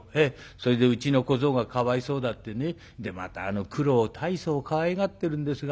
それでうちの小僧がかわいそうだってねでまたあのクロを大層かわいがってるんですが。